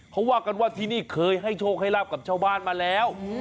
เขาว่ากันว่าที่นี่เคยให้โชคให้ลาบกับชาวบ้านมาแล้ว